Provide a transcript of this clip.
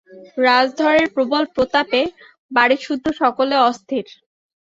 রাজধরের প্রবল প্রতাপে বাড়িসুদ্ধ সকলে অস্থির।